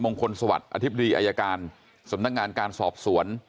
คนสวัสดิ์อธิบดีอายการสำนักงานการสอบสวน